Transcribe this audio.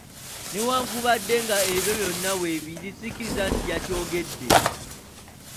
Newankubadde nga ebyo byonna weebiri sikkiriza nti yakyogedde.